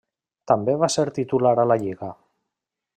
També va ser titular a la lliga.